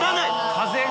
風が。